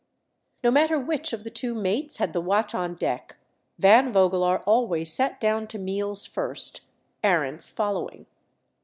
No matter which of the two mates had the watch on deck, Van Vogelaar always sat down to meals first, Arents follow ing.